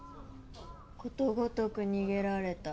ことごとく逃げられた。